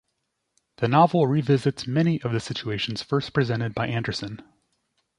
The novel revisits many of the situations first presented by Anderson.